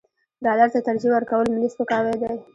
ډالر ته ترجیح ورکول ملي سپکاوی دی.